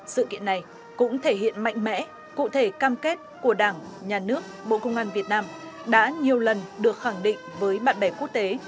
sự kiện này cũng thể hiện mạnh mẽ cụ thể cam kết của đảng nhà nước bộ công an việt nam đã nhiều lần được khẳng định với bạn bè quốc tế